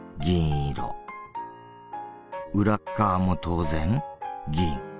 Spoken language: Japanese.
裏っかわも当然銀。